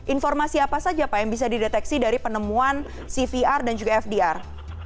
informasi apa saja pak yang bisa dideteksi dari penemuan cvr dan juga fdr